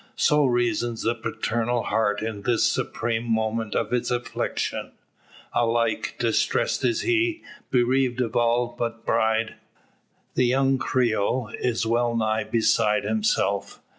So reasons the paternal heart in this supreme moment of its affliction. Alike, distressed is he, bereaved of his all but bride. The young Creole is well nigh beside himself.